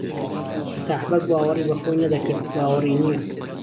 فهتاح بەگ باوەڕی به خۆی نهدهکرد باوەڕینییه